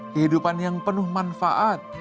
kehidupan yang penuh manfaat